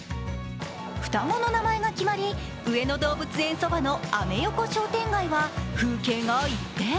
双子の名前が決まり、上野動物園そばのアメ横商店街は風景が一変。